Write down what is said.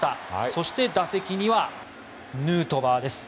そして、打席にはヌートバーです。